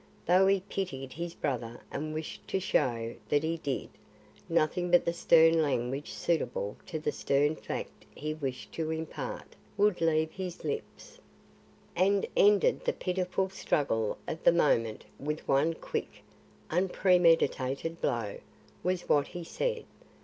Though he pitied his brother and wished to show that he did, nothing but the stern language suitable to the stern fact he wished to impart, would leave his lips. "And ended the pitiful struggle of the moment with one quick, unpremeditated blow," was what he said.